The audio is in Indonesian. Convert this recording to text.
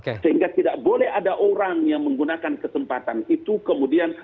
sehingga tidak boleh ada orang yang menggunakan kesempatan itu kemudian